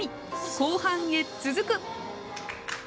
後半へ続く！